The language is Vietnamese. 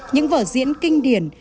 những vở diễn kinh điển